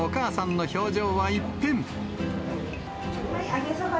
揚げそば。